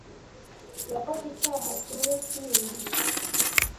Yakoze icyaha kimwekindi.